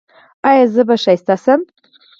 ایا زه به ښایسته شم؟